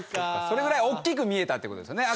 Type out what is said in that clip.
それぐらいおっきく見えたってことですよね。